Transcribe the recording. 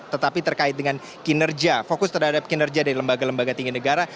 tetapi terkait dengan kinerja fokus terhadap kinerja dari lembaga lembaga tinggi negara